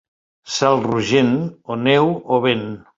Cel rogent, o neu o vent.